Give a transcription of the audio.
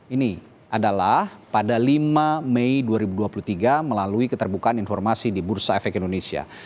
ini adalah pada lima mei dua ribu dua puluh tiga melalui keterbukaan informasi di bursa efek indonesia